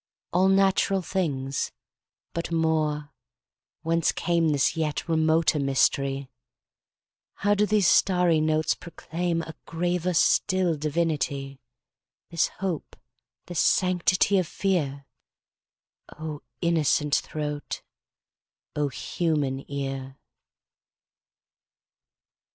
All natural things! But more—Whence cameThis yet remoter mystery? How do these starry notes proclaimA graver still divinity? This hope, this sanctity of fear?O innocent throat! O human ear!